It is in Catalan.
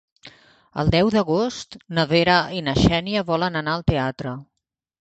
El deu d'agost na Vera i na Xènia volen anar al teatre.